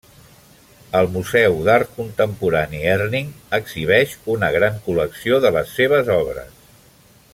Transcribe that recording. El Museu d'Art Contemporani Herning exhibeix una gran col·lecció de les seves obres.